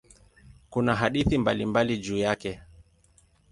Kuna hadithi mbalimbali juu yake.